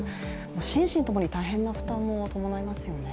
心身ともに大変な負担を伴いますよね。